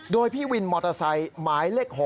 โดยพี่วินมอเตอร์ไซค์หมายเลข๖